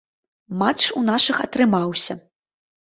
Матч у нашых атрымаўся.